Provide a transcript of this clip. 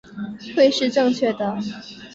会是正确的